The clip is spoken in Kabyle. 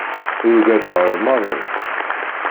Ur ugadeɣ ara maḍi.